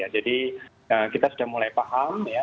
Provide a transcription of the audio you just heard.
jadi kita sudah mulai paham